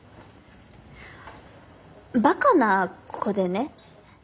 バカな子でね